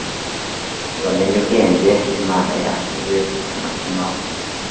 bamenye ubwenge imana yashyize mu mutima we